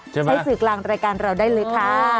ใช้สื่อกลางรายการเราได้เลยค่ะ